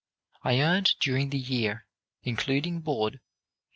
I earned during the year, including board, $87.